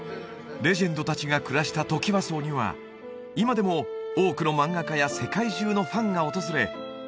レジェンド達が暮らしたトキワ荘には今でも多くの漫画家や世界中のファンが訪れ